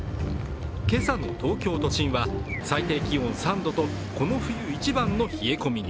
今朝の東京都心は最低気温３度とこの冬一番の冷え込みに。